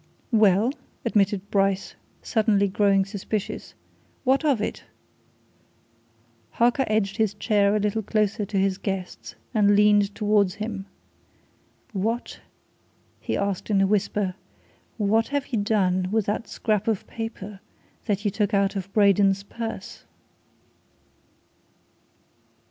"Well?" admitted Bryce, suddenly growing suspicious. "What of it?" Harker edged his chair a little closer to his guest's, and leaned towards him. "What," he asked in a whisper, "what have you done with that scrap of paper that you took out of Braden's purse?"